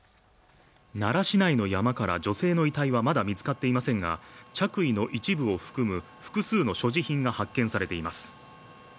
奈良市内の山から女性の遺体はまだ見つかっていませんが着衣の一部を含む複数の所持品が発見されています